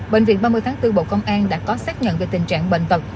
bệnh viện ba mươi tháng bốn bộ công an đã có xác nhận về tình trạng bệnh tật